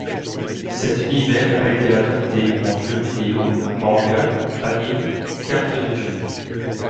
Cet univers a été adapté en jeux vidéo, manga, anime, cartes de jeu.